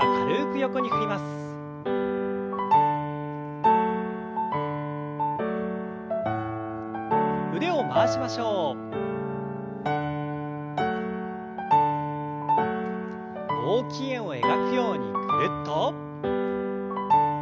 大きい円を描くようにぐるっと。